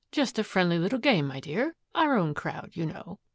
Just a friendly little game, my dear our own crowd, you know."